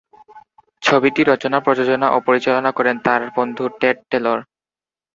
ছবিটি রচনা, প্রযোজনা ও পরিচালনা করেন তার বন্ধু টেট টেলর।